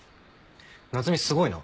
夏海すごいな。